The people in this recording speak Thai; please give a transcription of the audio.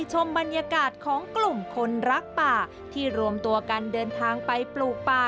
ชมบรรยากาศของกลุ่มคนรักป่าที่รวมตัวกันเดินทางไปปลูกป่า